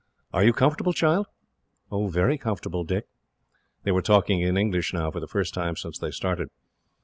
Are you comfortable, child?" "Very comfortable, Dick." They were talking in English now, for the first time since they started.